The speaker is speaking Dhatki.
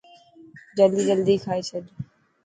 جلدي جلدي کائي ڇڏ.